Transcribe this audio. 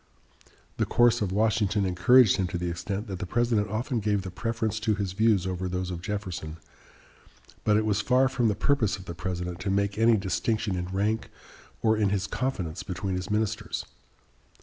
The course of Washington encouraged him to the extent that the President often gave the preference to his views over those of Jefferson, but it was far from the purpose of the President to make any distinction in rank or in his confidence between his ministers.